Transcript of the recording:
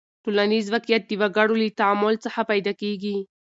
ټولنیز واقعیت د وګړو له تعامل څخه پیدا کیږي.